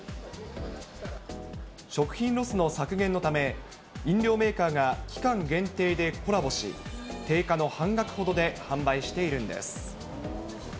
食品ロスの削減のため、飲料メーカーが期間限定でコラボし、定価の半額ほどで販売しているんです。